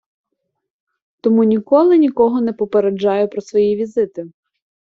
Тому ніколи нікого не попереджаю про свої візити.